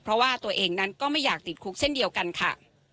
เพราะว่าตัวเองนั้นก็ไม่อยากติดคุกเช่นเดียวกันค่ะ